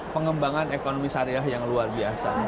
pengembangan ekonomi syariah yang luar biasa